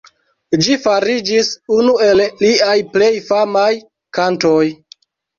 Ĝi fariĝis unu el liaj plej famaj kantoj.